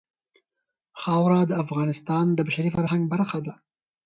خاوره د افغانستان د بشري فرهنګ برخه ده.